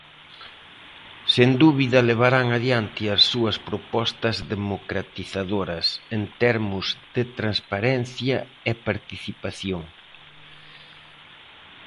Sen dúbida levarán adiante as súas propostas democratizadoras, en termos de transparencia e participación.